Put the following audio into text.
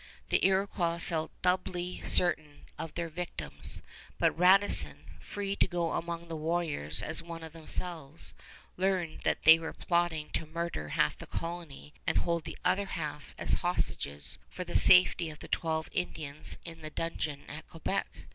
The Iroquois felt doubly certain of their victims; but Radisson, free to go among the warriors as one of themselves, learned that they were plotting to murder half the colony and hold the other half as hostages for the safety of the twelve Indians in the dungeon at Quebec.